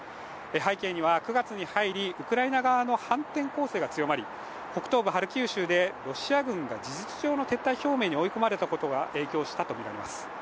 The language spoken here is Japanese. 背景には９月に入りウクライナ側の反転攻勢が強まり北東部ハルキウ州でロシア軍が事実上の撤退表明に怒込まれたことが影響したとみられます。